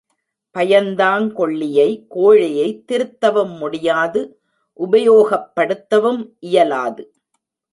பயந்தாங் கொள்ளியை கோழையைத் திருத்தவும் முடியாது உபயோகப்படுத்தவும் இயலாது.